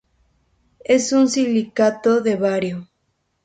Es un silicato de bario.